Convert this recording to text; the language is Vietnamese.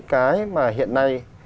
cái mà hiện nay